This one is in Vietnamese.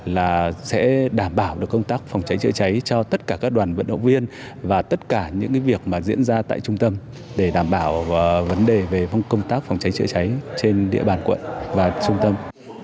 là sẽ đảm bảo được công tác phòng cháy chữa cháy cho tất cả các đoàn vận động viên và tất cả những việc mà diễn ra tại trung tâm để đảm bảo vấn đề về công tác phòng cháy chữa cháy trên địa bàn quận và trung tâm